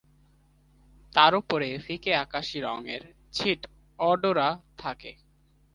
তার ওপরে ফিকে আকাশী রঙের ছিট অ-ডোরা থাকে।